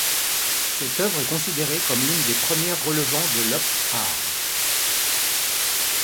Cette œuvre est considérée comme l'une des premières relevant de l'op art.